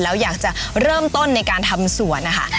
แล้วอยากจะเริ่มต้นในการทำสวนนะคะ